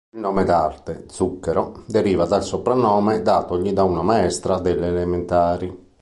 Il nome d'arte, Zucchero, deriva dal soprannome datogli da una maestra delle elementari.